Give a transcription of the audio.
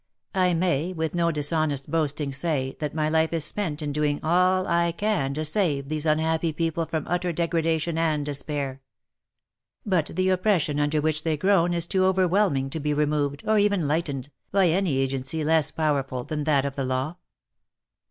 " I may, with no] dishonest boasting say, that my life is spent in doing all I can to save these unhappy people from utter degradation and despair. But the oppression under which they groan is too over whelming to be removed, or even lightened, by any agency less power ful than that of the law.